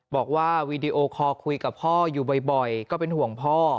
วีดีโอคอลคุยกับพ่ออยู่บ่อยก็เป็นห่วงพ่อ